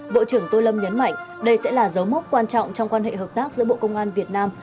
bộ trưởng tô lâm nhấn mạnh đây sẽ là dấu mốc quan trọng trong quan hệ hợp tác giữa bộ công an việt nam